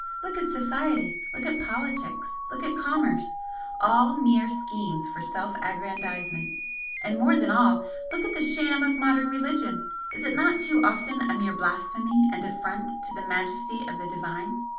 Look at society look at politics look at commerce all mere schemes for self aggrandisement! And more than all, look at the Sham of modern religion! Is it not too often a mere blasphemy and affront to the majesty of the Divine?